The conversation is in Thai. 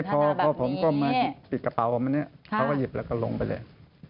พอผมก็มาปิดกระเป๋าออกมาเนี่ยเขาก็หยิบแล้วก็ลงไปเลย